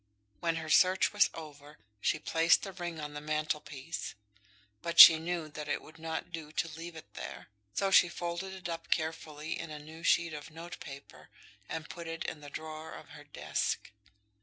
When her search was over, she placed the ring on the mantelpiece; but she knew that it would not do to leave it there, so she folded it up carefully in a new sheet of note paper, and put it in the drawer of her desk.